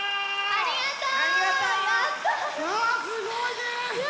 ありがとう！